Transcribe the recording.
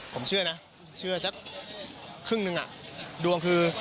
ผมเชื่อนะเชื่อสักครึ่งหนึ่งอ่ะดวงคือ